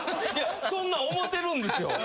そんなん思てるんですよ。